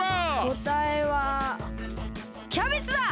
こたえはキャベツだ！